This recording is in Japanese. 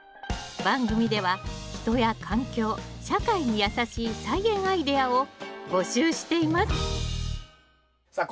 番組では人や環境社会にやさしい菜園アイデアを募集していますさあ